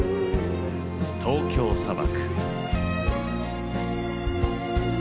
「東京砂漠」。